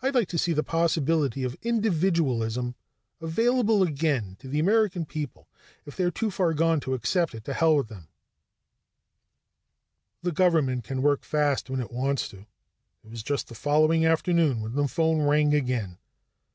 "I'd like to see the possibility of individualism available again to the American people. If they're too far gone to accept it, to hell with them." The government can work fast when it wants to. It was just the following afternoon when the phone rang again.